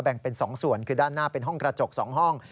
เป็น๒ส่วนคือด้านหน้าเป็นห้องกระจก๒ห้อง